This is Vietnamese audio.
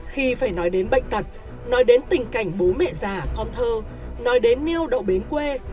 khi phải nói đến bệnh tật nói đến tình cảnh bố mẹ già con thơ nói đến neo đậu bến quê